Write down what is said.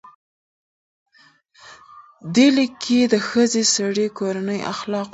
دې لیک کې د ښځې، سړي، کورنۍ، اخلاقو، ټولنې، نفس،